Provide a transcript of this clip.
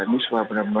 jadi kita lakukan ketiga